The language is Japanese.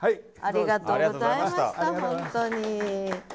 ありがとうございます。